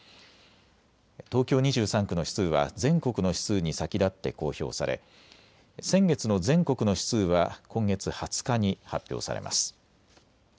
東京２３区の指数は全国の指数に先立って公表され先月の全国の指数は今月２０日に発表されます。